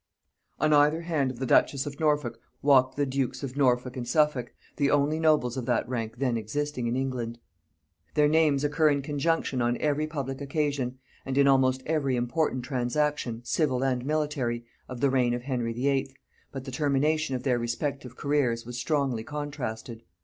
On either hand of the duchess of Norfolk walked the dukes of Norfolk and Suffolk, the only nobles of that rank then existing in England. Their names occur in conjunction on every public occasion, and in almost every important transaction, civil and military, of the reign of Henry VIII., but the termination of their respective careers was strongly contrasted.